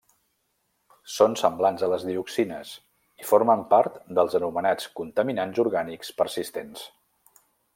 Són semblants a les dioxines i formen part dels anomenats Contaminants orgànics persistents.